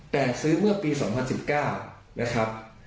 แต่ซื้อเมื่อปี๒๐๑๙นะครับ